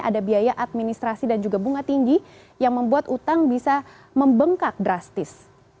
ada biaya administrasi dan juga bunga tinggi yang membuat utang bisa membengkak drastis